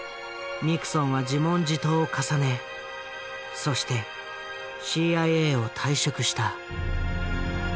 ニクソンは自問自答を重ねそしてＣＩＡを退職した。